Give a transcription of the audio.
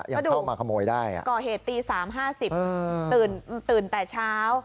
เข้ามาขโมยได้ก่อเหตุตี๓๕๐ตื่นแต่เช้า